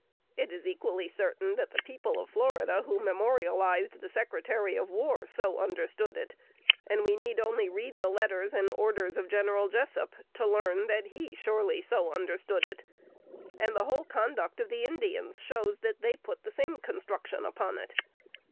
It is equally certain that the people of Florida who memorialized the Secretary of War so understood it; and we need only read the letters and orders of General Jessup to learn that he surely so understood it: and the whole conduct of the Indians shows that they put the same construction upon it.